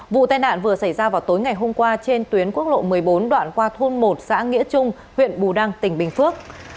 vụ tai nạn vừa xảy ra vào tối ngày hôm qua trên tuyến quốc lộ một mươi bốn đoạn qua thôn một xã nghĩa trung huyện bù đăng tỉnh bình phước